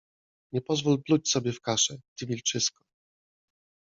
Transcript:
- Nie pozwól pluć sobie w kaszę, ty wilczysko!